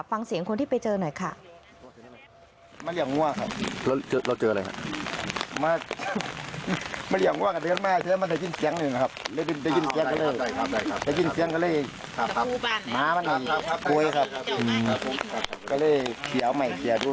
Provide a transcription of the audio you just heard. ฟังเสียงคนที่ไปเจอหน่อยค่ะ